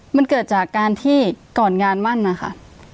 มันเกิดจากการที่ก่อนงานมั่นนะคะ